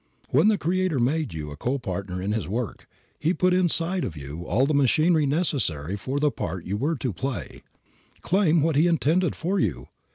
When the Creator made you a co partner in His work, He put inside of you all the machinery necessary for the part you were to play. Claim what He intended for you.